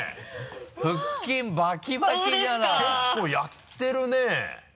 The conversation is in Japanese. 結構やってるね。